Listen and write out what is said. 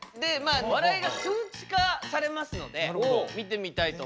笑いが数値化されますので見てみたいと思います。